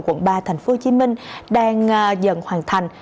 quận ba tp hcm đang dần hoàn thành